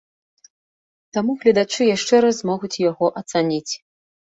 Таму гледачы яшчэ раз змогуць яго ацаніць.